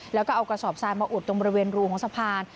แล้วก็เอากระสอบทรายมาอุดตรงบริเวณรูของสะพาน